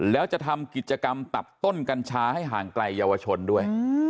แล้วจะทำกิจกรรมตัดต้นกัญชาให้ห่างไกลเยาวชนด้วย